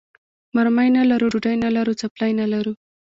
مرمۍ نه لرو، ډوډۍ نه لرو، څپلۍ نه لرو.